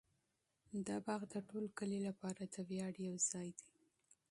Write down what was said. دا باغ د ټول کلي لپاره د ویاړ یو ځای دی.